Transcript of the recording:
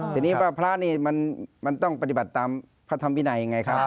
ทีนี้ว่าพระนี่มันต้องปฏิบัติตามพระธรรมวินัยไงครับ